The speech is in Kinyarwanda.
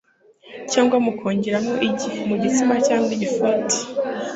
cyangwa mukongeramo igi mu gitsima cyangwa igifote